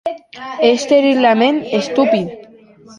Ès terriblaments estupid.